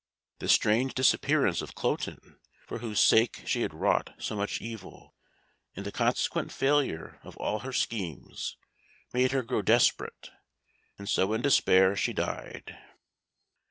The strange disappearance of Cloten, for whose sake she had wrought so much evil, and the consequent failure of all her schemes, made her grow desperate, and so in despair she died.